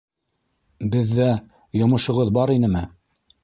Беҙҙә... йомошоғоҙ бар инеме?